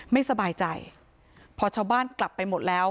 ไม่สบายใจพอชาวบ้านกลับไปหมดแล้ว